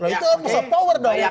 itu power dong ya